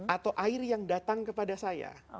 atau air yang datang kepada saya